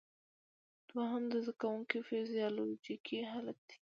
دوهم د زده کوونکي فزیالوجیکي حالت دی.